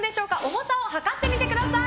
重さを量ってみてください！